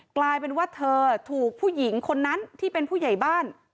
กลายเป็นว่าเธอถูกผู้หญิงคนนั้นที่เป็นผู้ใหญ่บ้าน